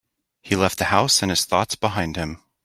He left the house and his thoughts behind him.